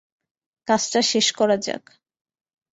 কাজটা শেষ করা যাক।